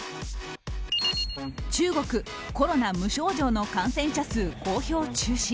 中国、コロナ無症状の感染者数公表中止。